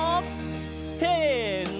せの！